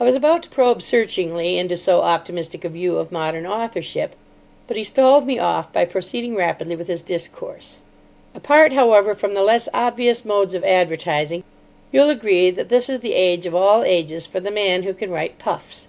I was about to probe searchingly into so optimistic a view of modern authorship, but he stalled me off by proceeding rapidly with his discourse. "Apart, however, from the less obvious modes of advertising, you'll agree that this is the age of all ages for the man who can write puffs.